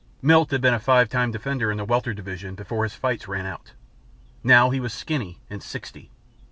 Milt had been a Five Time Defender in the Welter division before his fights ran out. Now he was skinny and sixty.